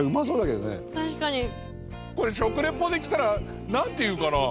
これ食リポできたらなんて言うかな？